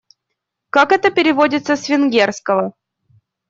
Как это переводится с венгерского?